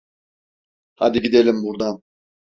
Hadi gidelim burdan.